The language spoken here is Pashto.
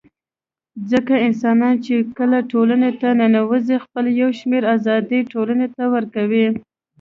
ځکه انسانان چي کله ټولني ته ننوزي خپل يو شمېر آزادۍ ټولني ته ورکوي